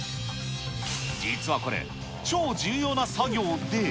実はこれ、超重要な作業で。